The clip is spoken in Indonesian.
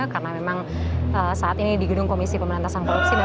karena memang saat ini di gedung komisi pemerintasan korupsi